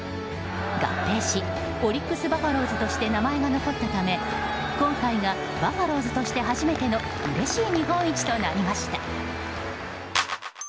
合併しオリックス・バファローズとして名前が残ったため今回がバファローズとして初めてのうれしい日本一となりました。